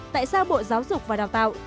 tại sao bộ giáo dục và đào tạo